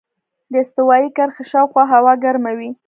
د استوایي کرښې شاوخوا هوا ګرمه وي.